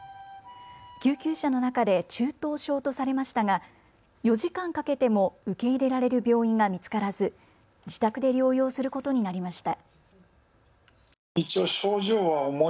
救急車の中で中等症とされましたが４時間かけても受け入れられる病院が見つからず自宅で療養することになりました。